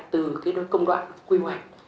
từ công đoạn quy hoạch